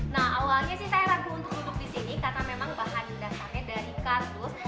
nah awalnya sih saya ragu untuk duduk di sini karena memang bahan dasarnya dari kardus